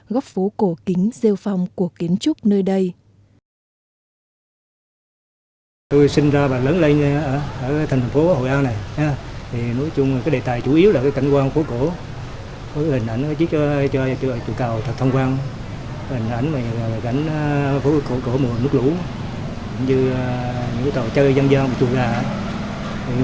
góc phố cổ kính siêu phong của kiến trúc nơi đây